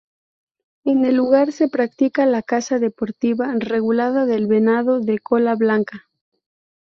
En el lugar se practica la caza deportiva regulada del venado de cola blanca.